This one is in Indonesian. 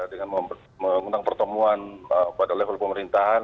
dengan mengundang pertemuan pada level pemerintahan